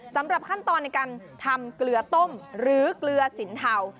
สำหรับขั้นตอนในการทำเกลือต้มหรือเกลือสินเทา